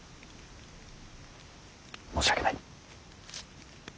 申し訳ない。